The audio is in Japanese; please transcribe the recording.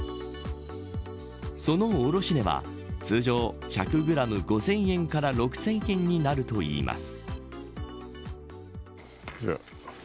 その卸値は通常１００グラム５０００円から６０００円になるといいます。